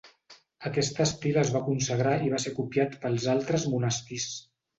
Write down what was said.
Aquest estil es va consagrar i va ser copiat pels altres monestirs.